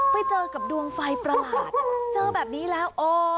ไปเจอกับดวงไฟประหลาดเจอแบบนี้แล้ว